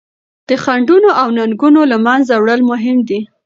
د خنډونو او ننګونو له منځه وړل مهم دي.